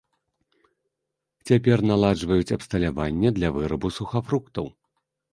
Цяпер наладжваюць абсталяванне для вырабу сухафруктаў.